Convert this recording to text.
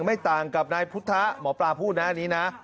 ไม่ต่างกับนายพุทธหมอปลาพูดนะอันนี้นะ